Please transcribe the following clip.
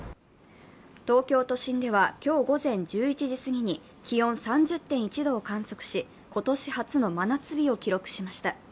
東京都心では今日午前１１時すぎに気温３０．１度を観測し、今年初の真夏日を記録しました。